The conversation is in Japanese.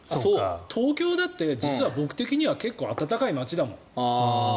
東京だって実は僕的には結構、暖かい街だもん。